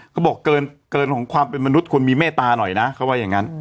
เขาบอกเกินของความเป็นมนุษย์มีเมตตาหน่อยนะเขาว่าอย่างนั้น